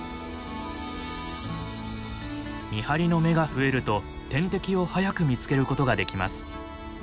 見張りの目が増えると天敵を早く見つけることができます。